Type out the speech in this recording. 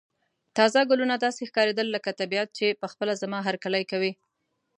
تازه ګلونه داسې ښکاریدل لکه طبیعت چې په خپله زما هرکلی کوي.